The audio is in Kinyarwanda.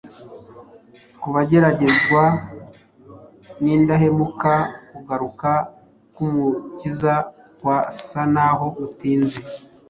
Ku bageragezwa n’indahemuka, kugaruka k’Umukiza kwasa n’aho gutinze,